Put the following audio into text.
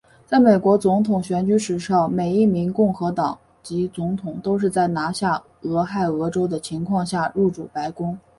在美国总统选举史上每一名共和党籍总统都是在拿下俄亥俄州的情况下入主白宫。